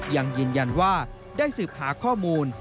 ยังยืนยันว่าได้สืบหาข้อมูล